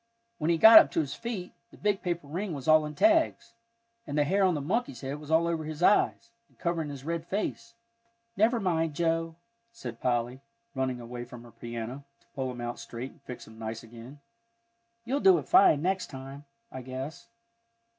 When he got up to his feet, the big paper ring was all in tags, and the hair on the monkey's head was all over his eyes, and covering his red face. "Never mind, Joe," said Polly, running away from her piano, to pull him out straight and fix him nice again, "you'll do it fine next time, I guess."